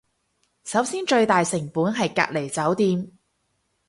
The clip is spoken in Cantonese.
首先最大成本係隔離酒店